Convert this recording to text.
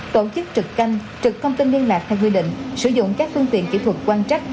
tổ chức trực canh trực thông tin liên lạc theo quy định sử dụng các phương tiện kỹ thuật quan trắc